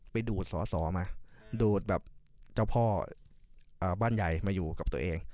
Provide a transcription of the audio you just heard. ไปดูดสอสอมาดูดแบบเจ้าพ่อบ้านใหญ่มาอยู่กับตัวเอง